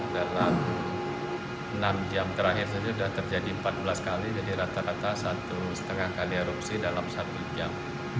dalam enam jam terakhir saja sudah terjadi empat belas kali jadi rata rata satu lima kali erupsi dalam satu jam